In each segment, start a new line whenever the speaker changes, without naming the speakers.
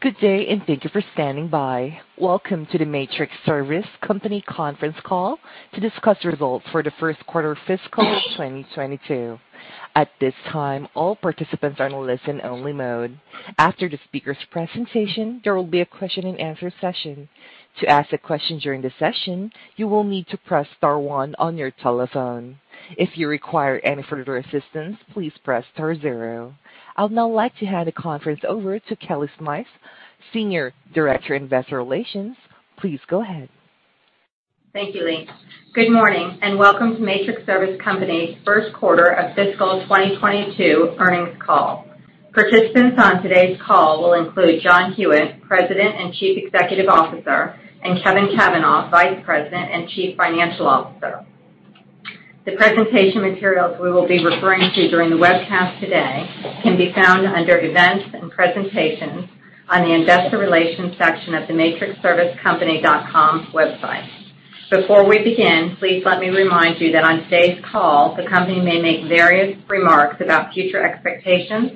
Good day, and thank you for standing by. Welcome to the Matrix Service Company conference call to discuss results for the first quarter of fiscal 2022. At this time, all participants are in listen-only mode. After the speaker's presentation, there will be a question-and-answer session. To ask a question during the session, you will need to press star one on your telephone. If you require any further assistance, please press star zero. I'll now like to hand the conference over to Kellie Smythe, Senior Director, Investor Relations. Please go ahead.
Thank you, Lee. Good morning, and welcome to Matrix Service Company's first quarter of fiscal 2022 earnings call. Participants on today's call will include John Hewitt, President and Chief Executive Officer, and Kevin Cavanah, Vice President and Chief Financial Officer. The presentation materials we will be referring to during the webcast today can be found under Events and Presentations on the Investor Relations section of the matrixservicecompany.com website. Before we begin, please let me remind you that on today's call, the company may make various remarks about future expectations,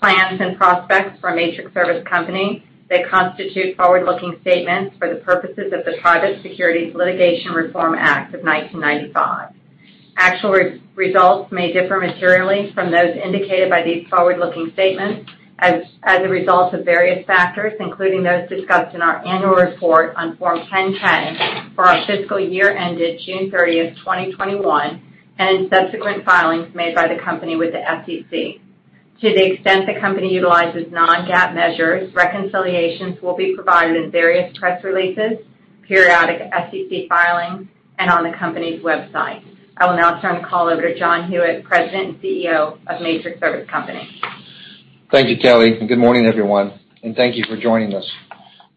plans, and prospects for Matrix Service Company that constitute forward-looking statements for the purposes of the Private Securities Litigation Reform Act of 1995. Actual results may differ materially from those indicated by these forward-looking statements as a result of various factors, including those discussed in our annual report on Form 10-K for our fiscal year ended June 30, 2021, and in subsequent filings made by the company with the SEC. To the extent the company utilizes non-GAAP measures, reconciliations will be provided in various press releases, periodic SEC filings, and on the company's website. I will now turn the call over to John Hewitt, President and CEO of Matrix Service Company.
Thank you, Kellie, and good morning, everyone, and thank you for joining us.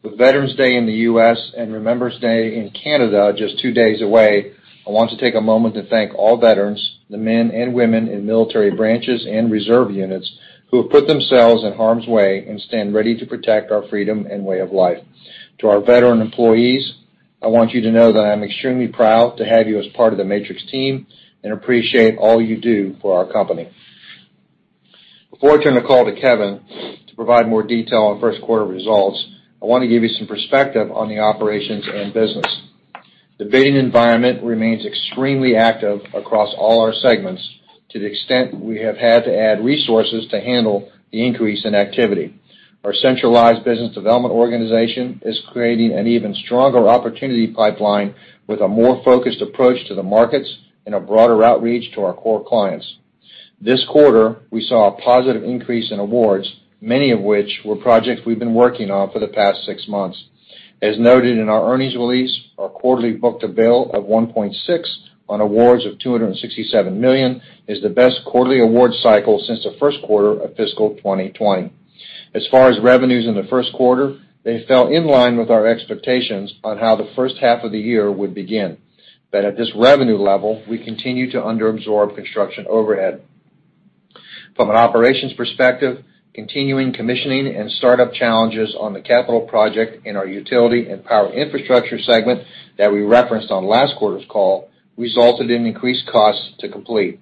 With Veterans Day in the U.S. and Remembrance Day in Canada just two days away, I want to take a moment to thank all veterans, the men and women in military branches and reserve units, who have put themselves in harm's way and stand ready to protect our freedom and way of life. To our veteran employees, I want you to know that I'm extremely proud to have you as part of the Matrix team and appreciate all you do for our company. Before I turn the call to Kevin provide more detail on first quarter results, I wanna give you some perspective on the operations and business. The bidding environment remains extremely active across all our segments to the extent we have had to add resources to handle the increase in activity. Our centralized business development organization is creating an even stronger opportunity pipeline with a more focused approach to the markets and a broader outreach to our core clients. This quarter, we saw a positive increase in awards, many of which were projects we've been working on for the past six months. As noted in our earnings release, our quarterly book-to-bill of 1.6 on awards of $267 million is the best quarterly award cycle since the first quarter of fiscal 2020. As far as revenues in the first quarter, they fell in line with our expectations on how the first half of the year would begin. At this revenue level, we continue to under-absorb construction overhead. From an operations perspective, continuing commissioning and startup challenges on the capital project in our Utility and Power Infrastructure segment that we referenced on last quarter's call resulted in increased costs to complete.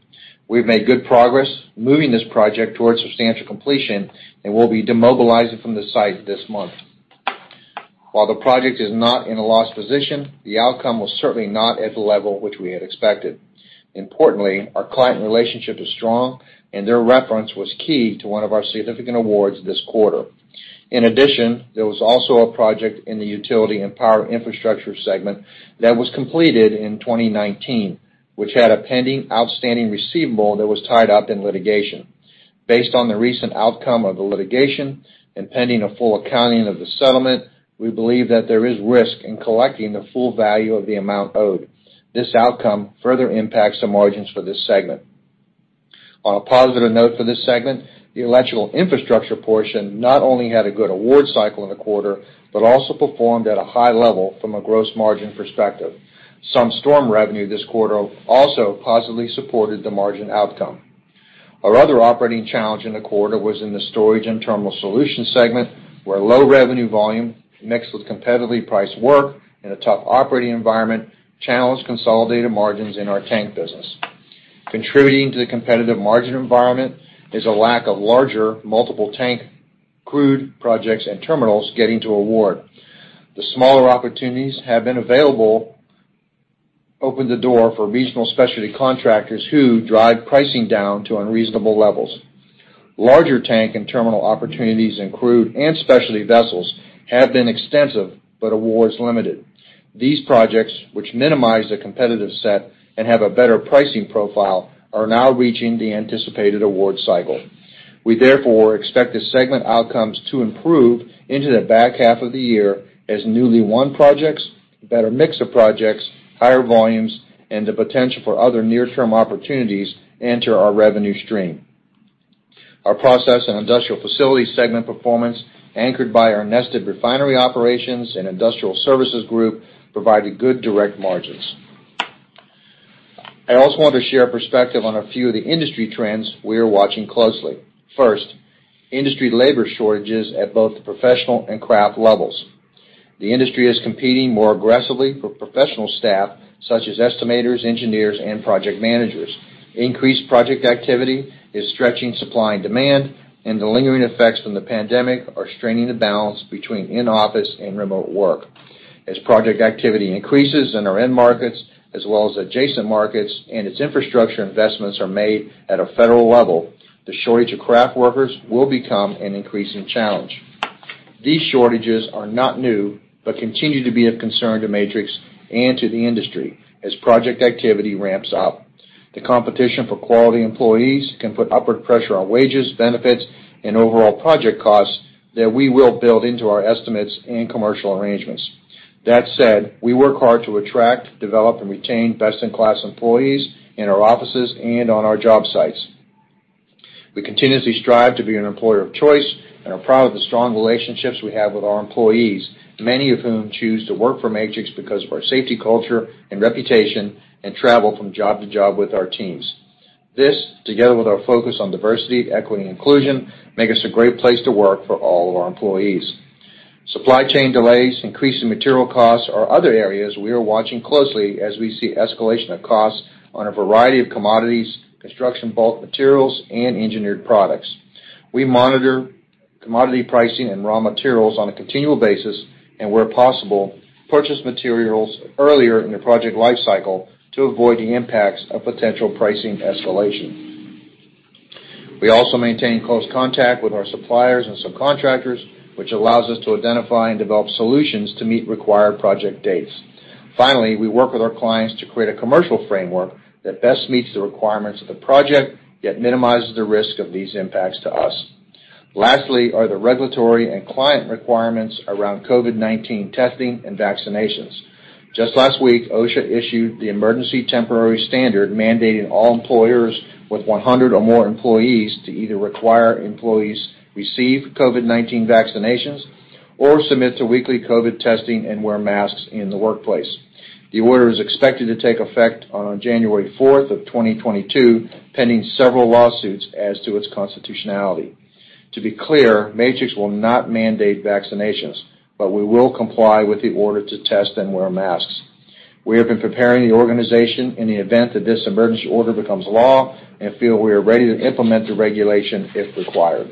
We've made good progress moving this project towards substantial completion and will be demobilizing from the site this month. While the project is not in a loss position, the outcome was certainly not at the level which we had expected. Importantly, our client relationship is strong, and their reference was key to one of our significant awards this quarter. In addition, there was also a project in the Utility and Power Infrastructure segment that was completed in 2019, which had a pending outstanding receivable that was tied up in litigation. Based on the recent outcome of the litigation and pending a full accounting of the settlement, we believe that there is risk in collecting the full value of the amount owed. This outcome further impacts the margins for this segment. On a positive note for this segment, the electrical infrastructure portion not only had a good award cycle in the quarter, but also performed at a high level from a gross margin perspective. Some storm revenue this quarter also positively supported the margin outcome. Our other operating challenge in the quarter was in the Storage and Terminal Solutions segment, where low revenue volume mixed with competitively priced work in a tough operating environment challenged consolidated margins in our tank business. Contributing to the competitive margin environment is a lack of larger multiple tank crude projects and terminals getting to award. The smaller opportunities have been available and opened the door for regional specialty contractors who drive pricing down to unreasonable levels. Larger tank and terminal opportunities in crude and specialty vessels have been extensive, but awards limited. These projects, which minimize the competitive set and have a better pricing profile, are now reaching the anticipated award cycle. We therefore, expect the segment outcomes to improve into the back half of the year as newly won projects, a better mix of projects, higher volumes, and the potential for other near-term opportunities enter our revenue stream. Our Process and Industrial Facilities segment performance, anchored by our Neste refinery operations and industrial services group, provided good direct margins. I also want to share a perspective on a few of the industry trends we are watching closely. First, industry labor shortages at both the professional and craft levels. The industry is competing more aggressively for professional staff such as estimators, engineers, and project managers. Increased project activity is stretching supply and demand, and the lingering effects from the pandemic are straining the balance between in-office and remote work. As project activity increases in our end markets as well as adjacent markets and its infrastructure investments are made at a federal level, the shortage of craft workers will become an increasing challenge. These shortages are not new but continue to be of concern to Matrix and to the industry as project activity ramps up. The competition for quality employees can put upward pressure on wages, benefits, and overall project costs that we will build into our estimates and commercial arrangements. That said, we work hard to attract, develop, and retain best-in-class employees in our offices and on our job sites. We continuously strive to be an employer of choice and are proud of the strong relationships we have with our employees, many of whom choose to work for Matrix because of our safety culture and reputation and travel from job to job with our teams. This, together with our focus on diversity, equity, and inclusion, make us a great place to work for all of our employees. Supply chain delays, increase in material costs are other areas we are watching closely as we see escalation of costs on a variety of commodities, construction bulk materials, and engineered products. We monitor commodity pricing and raw materials on a continual basis, and where possible, purchase materials earlier in the project life cycle to avoid the impacts of potential pricing escalation. We also maintain close contact with our suppliers and subcontractors, which allows us to identify and develop solutions to meet required project dates. Finally, we work with our clients to create a commercial framework that best meets the requirements of the project, yet minimizes the risk of these impacts to us. Lastly are the regulatory and client requirements around COVID-19 testing and vaccinations. Just last week, OSHA issued the Emergency Temporary Standard mandating all employers with 100 or more employees to either require employees receive COVID-19 vaccinations or submit to weekly COVID testing and wear masks in the workplace. The order is expected to take effect on January 4, 2022, pending several lawsuits as to its constitutionality. To be clear, Matrix will not mandate vaccinations, but we will comply with the order to test and wear masks. We have been preparing the organization in the event that this emergency order becomes law and feel we are ready to implement the regulation if required.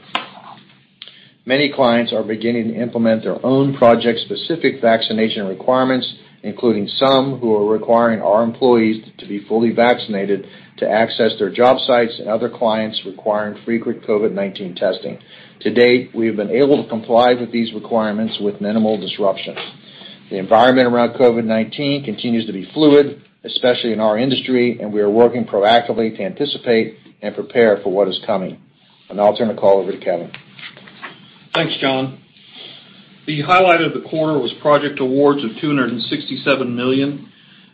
Many clients are beginning to implement their own project-specific vaccination requirements, including some who are requiring our employees to be fully vaccinated to access their job sites and other clients requiring frequent COVID-19 testing. To date, we have been able to comply with these requirements with minimal disruptions. The environment around COVID-19 continues to be fluid, especially in our industry, and we are working proactively to anticipate and prepare for what is coming. I'll turn the call over to Kevin.
Thanks, John. The highlight of the quarter was project awards of $267 million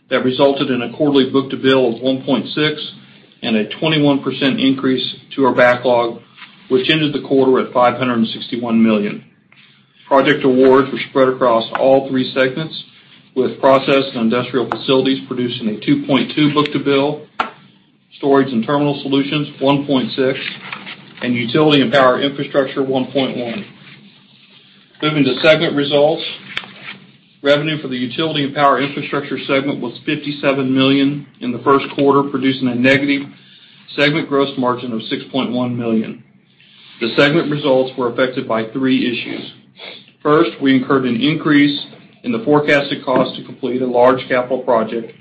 that resulted in a quarterly book-to-bill of 1.6 and a 21% increase to our backlog, which ended the quarter at $561 million. Project awards were spread across all three segments, with Process and Industrial Facilities producing a 2.2 book-to-bill, Storage and Terminal Solutions 1.6, and Utility and Power Infrastructure 1.1. Moving to segment results. Revenue for the Utility and Power Infrastructure segment was $57 million in the first quarter, producing a negative segment gross margin of $6.1 million. The segment results were affected by three issues. First, we incurred an increase in the forecasted cost to complete a large capital project,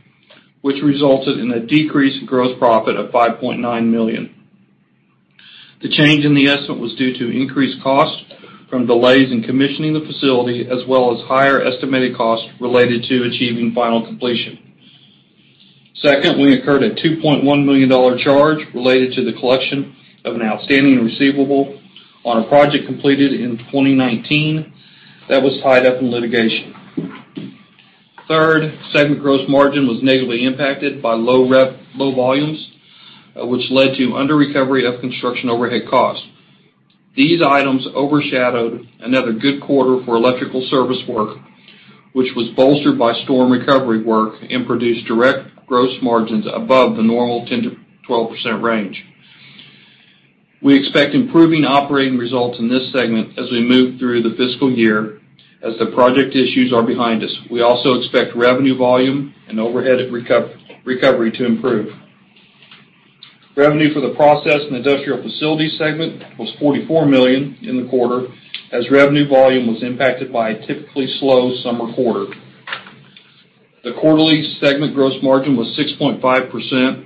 which resulted in a decrease in gross profit of $5.9 million. The change in the estimate was due to increased costs from delays in commissioning the facility, as well as higher estimated costs related to achieving final completion. Second, we incurred a $2.1 million charge related to the collection of an outstanding receivable on a project completed in 2019 that was tied up in litigation. Third, segment gross margin was negatively impacted by low volumes, which led to under-recovery of construction overhead costs. These items overshadowed another good quarter for electrical service work, which was bolstered by storm recovery work and produced direct gross margins above the normal 10%-12% range. We expect improving operating results in this segment as we move through the fiscal yea, as the project issues are behind us. We also expect revenue volume and overhead recovery to improve. Revenue for the Process and Industrial Facilities segment was $44 million in the quarter as revenue volume was impacted by a typically slow summer quarter. The quarterly segment gross margin was 6.5%.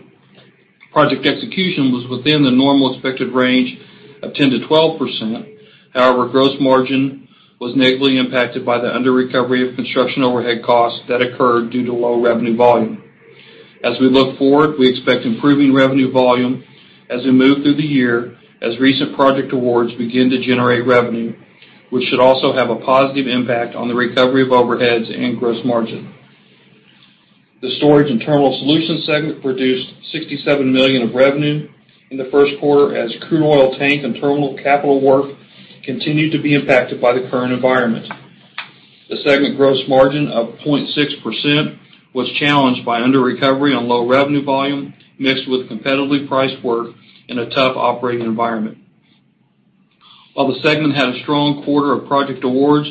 Project execution was within the normal expected range of 10%-12%. However, gross margin was negatively impacted by the under-recovery of construction overhead costs that occurred due to low revenue volume. As we look forward, we expect improving revenue volume as we move through the year, as recent project awards begin to generate revenue, which should also have a positive impact on the recovery of overheads and gross margin. The Storage and Terminal Solutions segment produced $67 million of revenue in the first quarter as crude oil tank and terminal capital work continued to be impacted by the current environment. The segment gross margin of 0.6% was challenged by under-recovery on low revenue volume mixed with competitively priced work in a tough operating environment. While the segment had a strong quarter of project awards,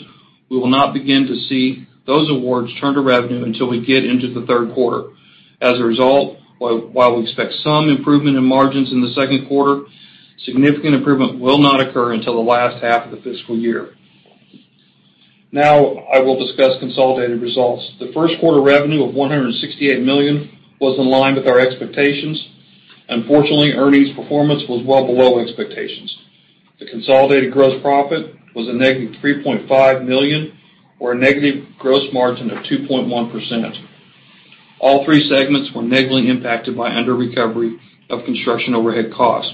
we will not begin to see those awards turn to revenue until we get into the third quarter. As a result, while we expect some improvement in margins in the second quarter, significant improvement will not occur until the last half of the fiscal year. Now I will discuss consolidated results. The first quarter revenue of $168 million was in line with our expectations. Unfortunately, earnings performance was well below expectations. The consolidated gross profit was -$3.5 million, or a negative gross margin of 2.1%. All three segments were negatively impacted by under-recovery of construction overhead costs.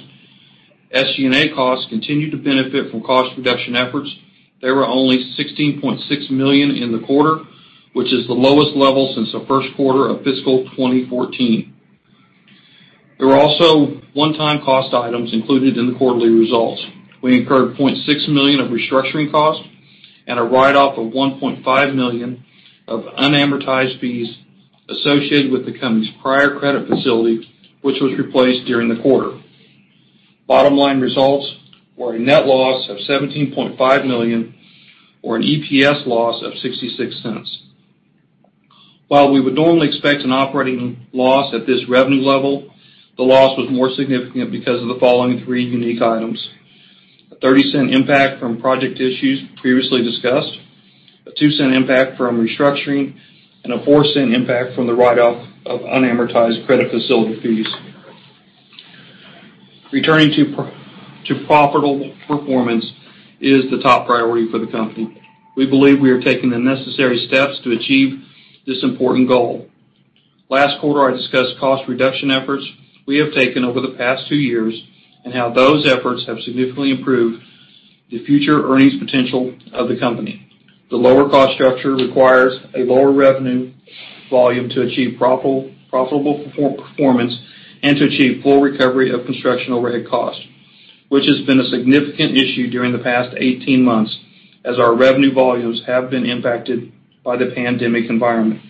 SG&A costs continued to benefit from cost reduction efforts. They were only $16.6 million in the quarter, which is the lowest level since the first quarter of fiscal 2014. There were also one-time cost items included in the quarterly results. We incurred $0.6 million of restructuring costs and a write-off of $1.5 million of unamortized fees associated with the company's prior credit facility, which was replaced during the quarter. Bottom line results were a net loss of $17.5 million or an EPS loss of $0.66. While we would normally expect an operating loss at this revenue level, the loss was more significant because of the following three unique items. A $0.30 impact from project issues previously discussed, a $0.02 impact from restructuring, and a $0.04 impact from the write-off of unamortized credit facility fees. Returning to profitable performance is the top priority for the company. We believe we are taking the necessary steps to achieve this important goal. Last quarter, I discussed cost reduction efforts we have taken over the past two years, and how those efforts have significantly improved the future earnings potential of the company. The lower cost structure requires a lower revenue volume to achieve profitable performance and to achieve full recovery of construction overhead costs, which has been a significant issue during the past 18 months as our revenue volumes have been impacted by the pandemic environment.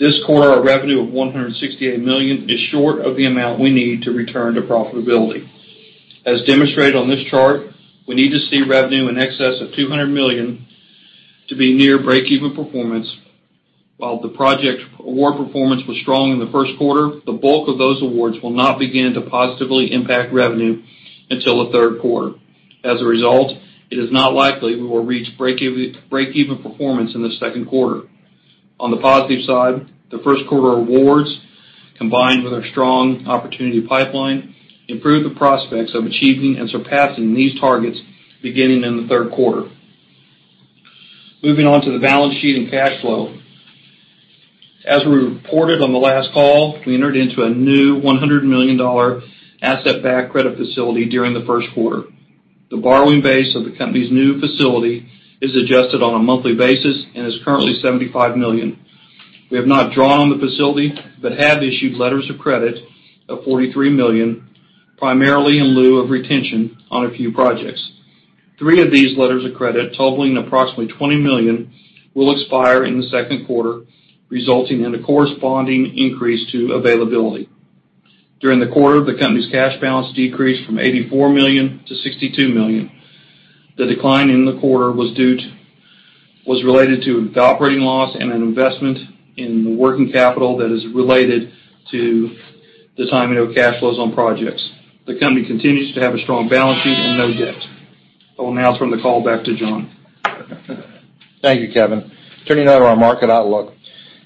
This quarter, our revenue of $168 million is short of the amount we need to return to profitability. As demonstrated on this chart, we need to see revenue in excess of $200 million to be near break-even performance. While the project award performance was strong in the first quarter, the bulk of those awards will not begin to positively impact revenue until the third quarter. As a result, it is not likely we will reach break-even performance in the second quarter. On the positive side, the first quarter awards, combined with our strong opportunity pipeline, improve the prospects of achieving and surpassing these targets beginning in the third quarter. Moving on to the balance sheet and cash flow. As we reported on the last call, we entered into a new $100 million asset-backed credit facility during the first quarter. The borrowing base of the company's new facility is adjusted on a monthly basis and is currently $75 million. We have not drawn on the facility, but have issued letters of credit of $43 million, primarily in lieu of retention on a few projects. Three of these letters of credit, totaling approximately $20 million, will expire in the second quarter, resulting in a corresponding increase to availability. During the quarter, the company's cash balance decreased from $84 million-$62 million. The decline in the quarter was related to the operating loss and an investment in the working capital that is related to the timing of cash flows on projects. The company continues to have a strong balance sheet and no debt. I will now turn the call back to John.
Thank you, Kevin. Turning now to our market outlook.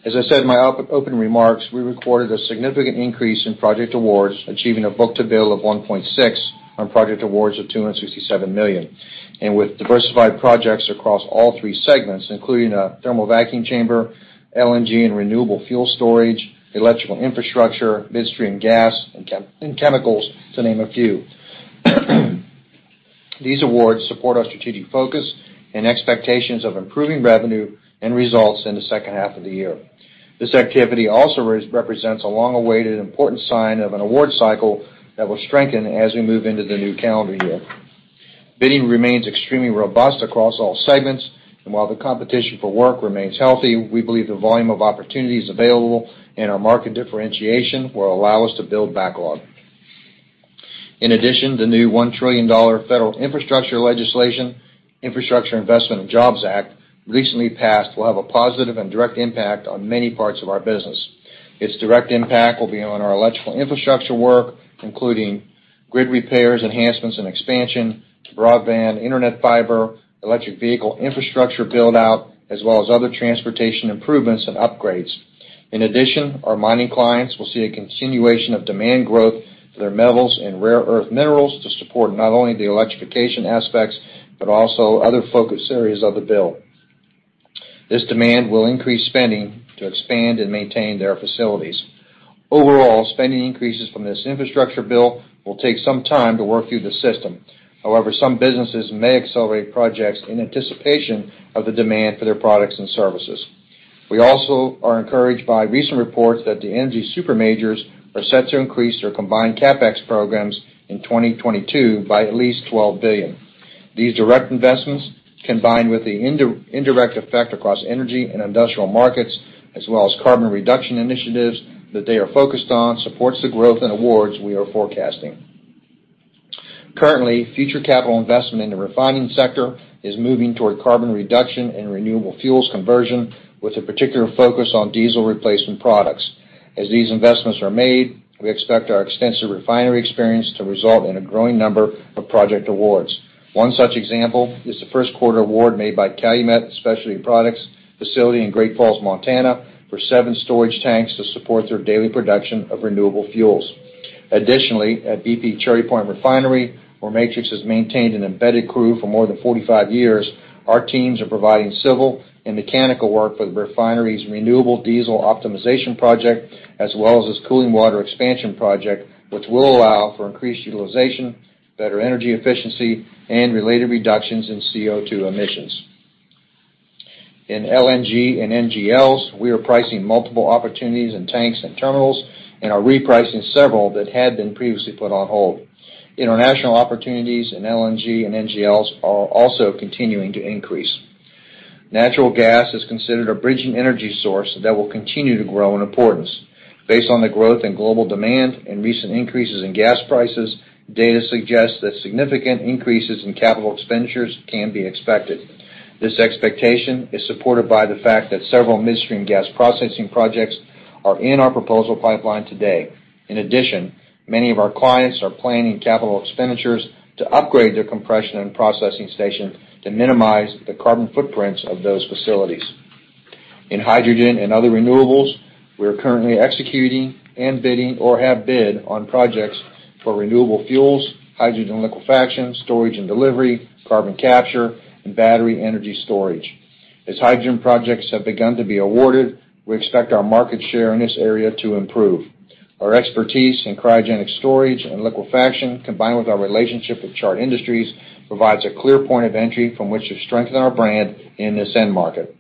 As I said in my opening remarks, we recorded a significant increase in project awards, achieving a book-to-bill of 1.6 on project awards of $267 million. With diversified projects across all three segments, including a thermal vacuum chamber, LNG and renewable fuel storage, electrical infrastructure, midstream gas, and chemicals, to name a few. These awards support our strategic focus and expectations of improving revenue and results in the second half of the year. This activity also represents a long-awaited important sign of an award cycle that will strengthen as we move into the new calendar year. Bidding remains extremely robust across all segments, and while the competition for work remains healthy, we believe the volume of opportunities available and our market differentiation will allow us to build backlog. In addition, the new $1 trillion federal infrastructure legislation, Infrastructure Investment and Jobs Act, recently passed, will have a positive and direct impact on many parts of our business. Its direct impact will be on our electrical infrastructure work, including grid repairs, enhancements and expansion to broadband, internet fiber, electric vehicle infrastructure build-out, as well as other transportation improvements and upgrades. In addition, our mining clients will see a continuation of demand growth for their metals and rare earth minerals to support not only the electrification aspects, but also other focus areas of the bill. This demand will increase spending to expand and maintain their facilities. Overall, spending increases from this infrastructure bill will take some time to work through the system. However, some businesses may accelerate projects in anticipation of the demand for their products and services. We also are encouraged by recent reports that the energy super majors are set to increase their combined CapEx programs in 2022 by at least $12 billion. These direct investments, combined with the indirect effect across energy and industrial markets, as well as carbon reduction initiatives that they are focused on, supports the growth in awards we are forecasting. Currently, future capital investment in the refining sector is moving toward carbon reduction and renewable fuels conversion, with a particular focus on diesel replacement products. As these investments are made, we expect our extensive refinery experience to result in a growing number of project awards. One such example is the first quarter award made by Calumet Specialty Products facility in Great Falls, Montana, for seven storage tanks to support their daily production of renewable fuels. Additionally, at BP Cherry Point Refinery, where Matrix has maintained an embedded crew for more than 45 years, our teams are providing civil and mechanical work for the refinery's renewable diesel optimization project, as well as its cooling water expansion project, which will allow for increased utilization, better energy efficiency, and related reductions in CO2 emissions. In LNG and NGLs, we are pricing multiple opportunities in tanks and terminals and are repricing several that had been previously put on hold. International opportunities in LNG and NGLs are also continuing to increase. Natural gas is considered a bridging energy source that will continue to grow in importance. Based on the growth in global demand and recent increases in gas prices, data suggests that significant increases in capital expenditures can be expected. This expectation is supported by the fact that several midstream gas processing projects are in our proposal pipeline today. In addition, many of our clients are planning capital expenditures to upgrade their compression and processing stations to minimize the carbon footprints of those facilities. In hydrogen and other renewables, we are currently executing and bidding or have bid on projects for renewable fuels, hydrogen liquefaction, storage and delivery, carbon capture, and battery energy storage. As hydrogen projects have begun to be awarded, we expect our market share in this area to improve. Our expertise in cryogenic storage and liquefaction, combined with our relationship with Chart Industries, provides a clear point of entry from which to strengthen our brand in this end market.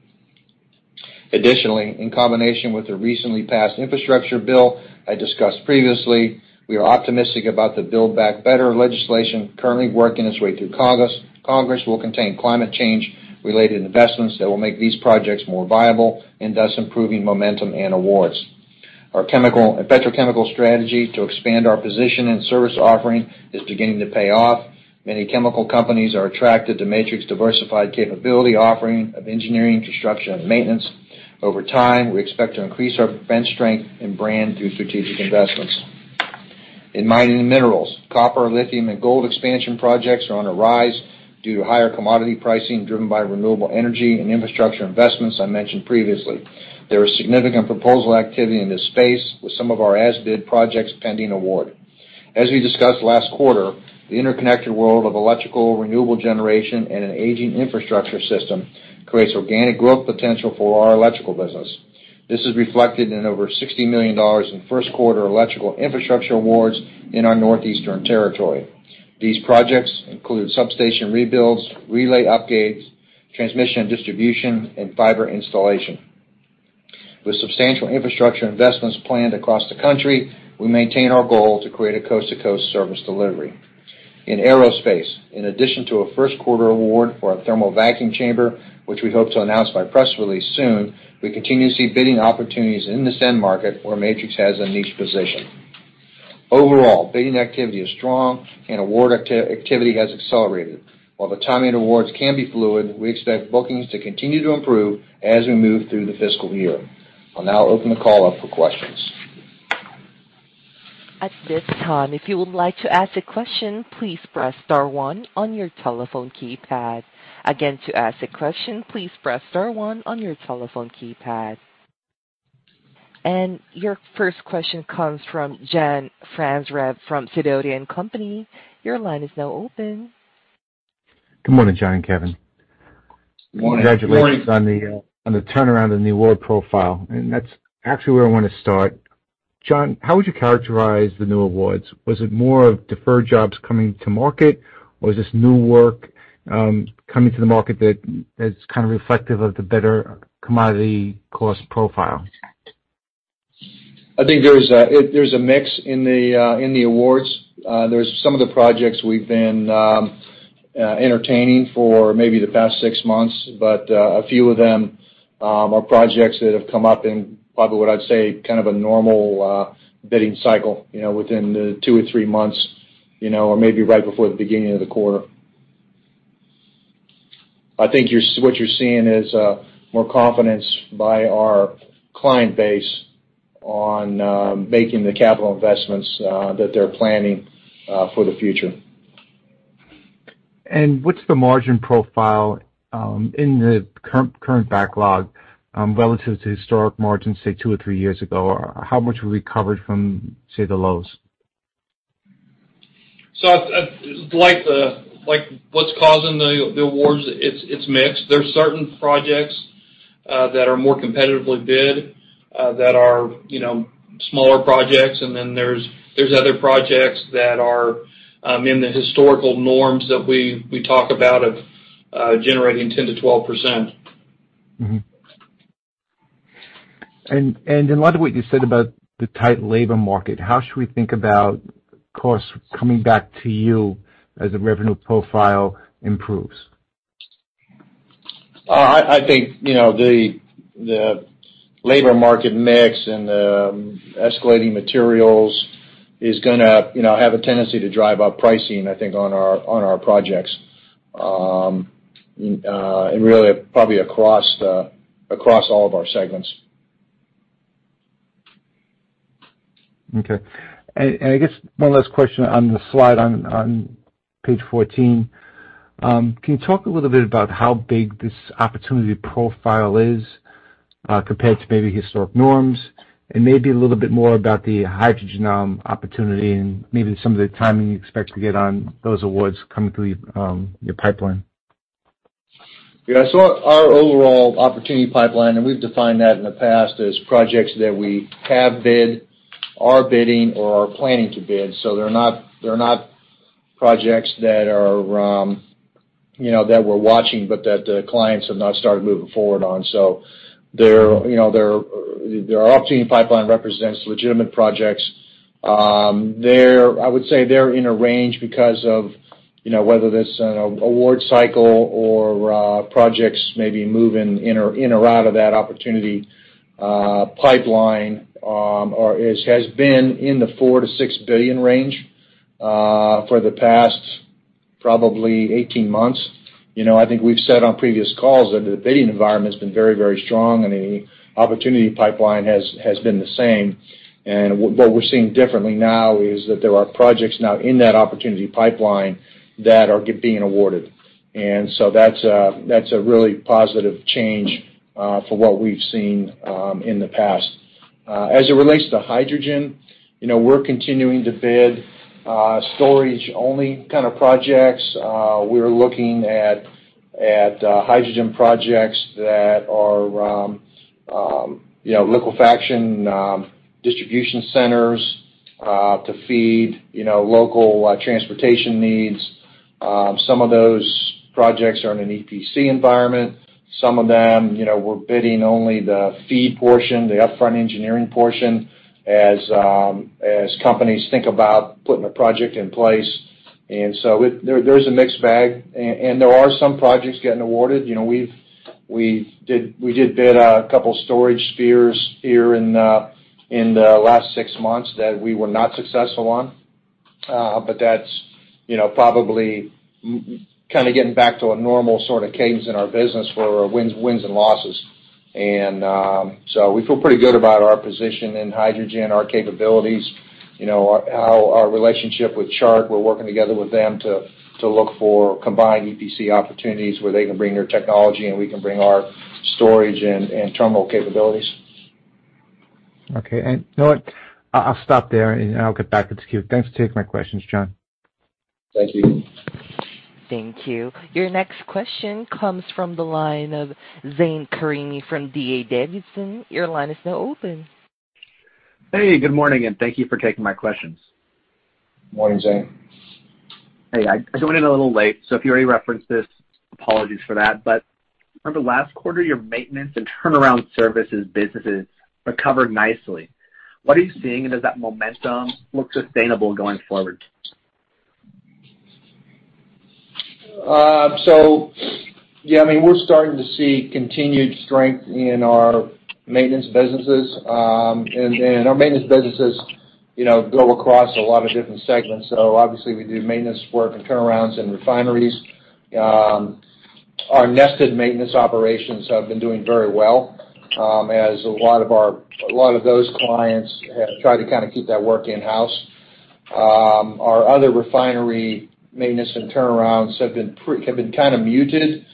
Additionally, in combination with the recently passed infrastructure bill I discussed previously, we are optimistic about the Build Back Better legislation currently working its way through Congress. It will contain climate change-related investments that will make these projects more viable, and thus improving momentum and awards. Our chemical and petrochemical strategy to expand our position and service offering is beginning to pay off. Many chemical companies are attracted to Matrix's diversified capability offering of engineering, construction, and maintenance. Over time, we expect to increase our bench strength and brand through strategic investments. In mining and minerals, copper, lithium, and gold expansion projects are on a rise due to higher commodity pricing driven by renewable energy and infrastructure investments I mentioned previously. There is significant proposal activity in this space, with some of our as-bid projects pending award. As we discussed last quarter, the interconnected world of electrical renewable generation and an aging infrastructure system creates organic growth potential for our electrical business. This is reflected in over $60 million in first quarter electrical infrastructure awards in our Northeastern territory. These projects include substation rebuilds, relay upgrades, transmission and distribution, and fiber installation. With substantial infrastructure investments planned across the country, we maintain our goal to create a coast-to-coast service delivery. In aerospace, in addition to a first quarter award for a thermal vacuum chamber, which we hope to announce by press release soon, we continue to see bidding opportunities in this end market where Matrix has a niche position. Overall, bidding activity is strong, and award activity has accelerated. While the timing of awards can be fluid, we expect bookings to continue to improve as we move through the fiscal year. I'll now open the call up for questions.
At this time, if you would like to ask a question, please press star one on your telephone keypad. Again, to ask a question, please press star one on your telephone keypad. Your first question comes from John Franzreb from Sidoti & Company. Your line is now open.
Good morning, John and Kevin.
Morning.
Morning.
Congratulations on the turnaround in the award profile, and that's actually where I wanna start. John, how would you characterize the new awards? Was it more of deferred jobs coming to market, or is this new work coming to the market that is kind of reflective of the better commodity cost profile?
I think there's a mix in the awards. There's some of the projects we've been entertaining for maybe the past six months, but a few of them are projects that have come up in probably what I'd say kind of a normal bidding cycle, you know, within the two or three months, you know, or maybe right before the beginning of the quarter. I think what you're seeing is more confidence by our client base on making the capital investments that they're planning for the future.
What's the margin profile in the current backlog relative to historic margins, say, two or three years ago? Or how much have we recovered from, say, the lows?
Like what's causing the awards, it's mixed. There's certain projects that are more competitively bid that are, you know, smaller projects, and then there's other projects that are in the historical norms that we talk about of generating 10%-12%.
In light of what you said about the tight labor market, how should we think about costs coming back to you as the revenue profile improves?
I think, you know, the labor market mix and the escalating materials is gonna, you know, have a tendency to drive up pricing, I think, on our projects. Really probably across all of our segments.
Okay. I guess one last question on the slide on page 14. Can you talk a little bit about how big this opportunity profile is, compared to maybe historic norms and maybe a little bit more about the hydrogen opportunity and maybe some of the timing you expect to get on those awards coming through your pipeline?
Yeah. Our overall opportunity pipeline, and we've defined that in the past, is projects that we have bid, are bidding or are planning to bid. They're not projects that are, you know, that we're watching but that the clients have not started moving forward on. You know, our opportunity pipeline represents legitimate projects. I would say they're in a range because of, you know, whether that's an award cycle or, projects maybe moving in or out of that opportunity pipeline. Or it has been in the $4 billion-$6 billion range for the past probably 18 months. You know, I think we've said on previous calls that the bidding environment's been very, very strong, and the opportunity pipeline has been the same. What we're seeing differently now is that there are projects now in that opportunity pipeline that are being awarded. That's a really positive change for what we've seen in the past. As it relates to hydrogen, you know, we're continuing to bid storage-only kind of projects. We're looking at hydrogen projects that are, you know, liquefaction, distribution centers to feed, you know, local transportation needs. Some of those projects are in an EPC environment. Some of them, you know, we're bidding only the FEED portion, the upfront engineering portion, as companies think about putting a project in place. There is a mixed bag, and there are some projects getting awarded. You know, we did bid a couple storage spheres here in the last six months that we were not successful on. That's, you know, probably kinda getting back to a normal sorta cadence in our business where wins and losses. We feel pretty good about our position in hydrogen, our capabilities, you know, how our relationship with Chart. We're working together with them to look for combined EPC opportunities where they can bring their technology, and we can bring our storage and terminal capabilities.
Okay. You know what? I'll stop there, and I'll get back to queue. Thanks for taking my questions, John.
Thank you.
Thank you. Your next question comes from the line of Brent Thielman from D.A. Davidson. Your line is now open.
Hey, good morning, and thank you for taking my questions.
Morning, Brent.
Hey, I joined in a little late, so if you already referenced this, apologies for that. From the last quarter, your maintenance and turnaround services businesses recovered nicely. What are you seeing, and does that momentum look sustainable going forward?
Yeah. I mean, we're starting to see continued strength in our maintenance businesses. Our maintenance businesses, you know, go across a lot of different segments. Obviously we do maintenance work and turnarounds in refineries. Our nested maintenance operations have been doing very well, as a lot of those clients have tried to kinda keep that work in-house. Our other refinery maintenance and turnarounds have been kinda muted,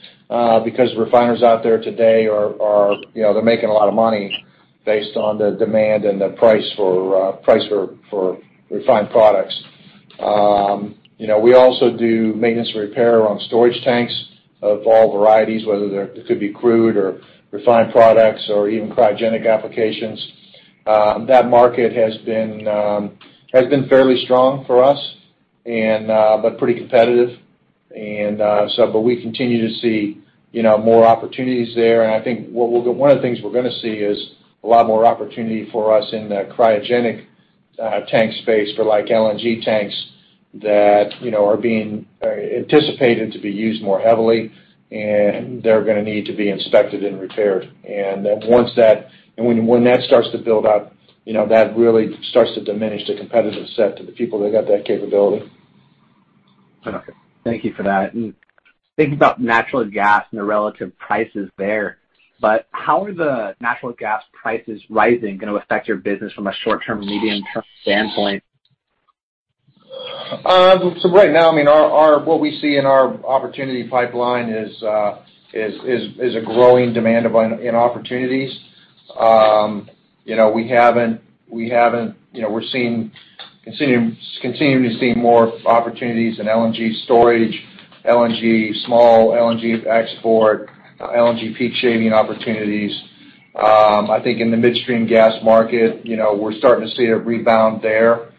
because refiners out there today are, you know, they're making a lot of money based on the demand and the price for refined products. You know, we also do maintenance repair on storage tanks of all varieties, whether it could be crude or refined products or even cryogenic applications. That market has been fairly strong for us, but pretty competitive. But we continue to see, you know, more opportunities there. I think one of the things we're gonna see is a lot more opportunity for us in the cryogenic tank space for like LNG tanks that, you know, are being anticipated to be used more heavily, and they're gonna need to be inspected and repaired. Then once that and when that starts to build up, you know, that really starts to diminish the competitive set to the people that got that capability.
Okay. Thank you for that. Thinking about natural gas and the relative prices there, but how are the natural gas prices rising gonna affect your business from a short-term and medium-term standpoint?
Right now, I mean, what we see in our opportunity pipeline is a growing demand in opportunities. You know, we're continuing to see more opportunities in LNG storage, LNG small, LNG export, LNG peak shaving opportunities. I think in the midstream gas market, you know, we're starting to see a rebound there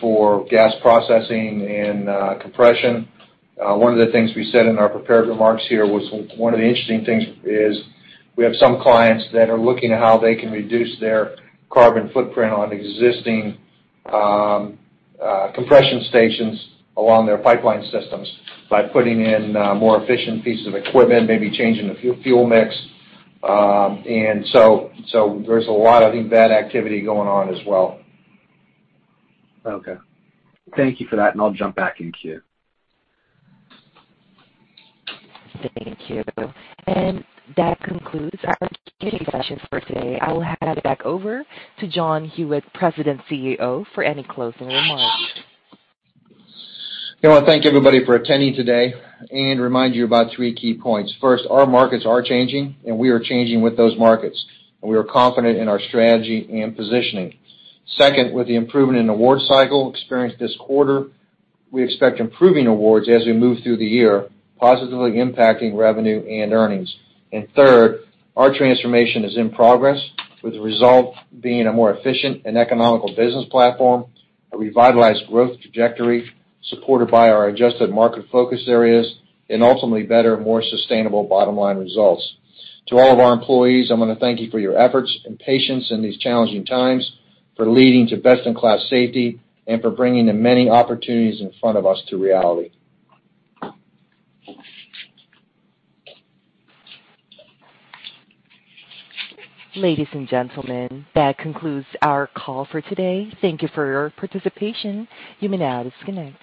for gas processing and compression. One of the things we said in our prepared remarks here was one of the interesting things is we have some clients that are looking at how they can reduce their carbon footprint on existing compression stations along their pipeline systems by putting in more efficient pieces of equipment, maybe changing the fuel mix. There's a lot of that activity going on as well.
Okay. Thank you for that, and I'll jump back in queue.
Thank you. That concludes our Q&A session for today. I will hand it back over to John Hewitt, President and CEO for any closing remarks.
I wanna thank everybody for attending today and remind you about three key points. First, our markets are changing, and we are changing with those markets, and we are confident in our strategy and positioning. Second, with the improvement in award cycle experienced this quarter, we expect improving awards as we move through the year, positively impacting revenue and earnings. Third, our transformation is in progress with the result being a more efficient and economical business platform, a revitalized growth trajectory supported by our adjusted market focus areas and ultimately better, more sustainable bottom-line results. To all of our employees, I wanna thank you for your efforts and patience in these challenging times, for leading to best-in-class safety, and for bringing the many opportunities in front of us to reality.
Ladies and gentlemen, that concludes our call for today. Thank you for your participation. You may now disconnect.